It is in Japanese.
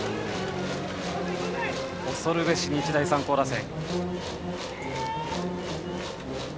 恐るべし、日大三高打線。